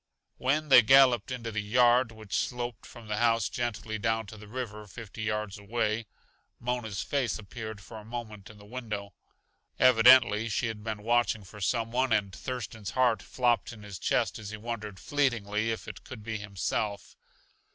When they galloped into the yard which sloped from the house gently down to the river fifty yards away, Mona's face appeared for a moment in the window. Evidently she had been watching for some one, and Thurston's heart flopped in his chest as he wondered, fleetingly, if it could be himself.